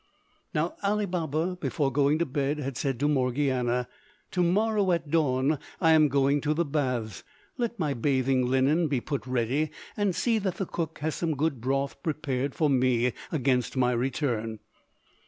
Now Ali Baba, before going to bed, had said to Morgiana, "To morrow at dawn I am going to the baths; let my bathing linen be put ready, and see that the cook has some good broth prepared for me against my return."